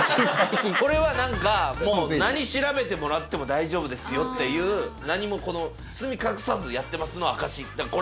これは何かもう何調べてもらっても大丈夫ですよっていう何も包み隠さずやってますの証し。